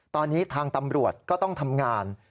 ตอนนี้ทางตำรวจก็ต้องทำงาน